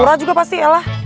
urah juga pasti ella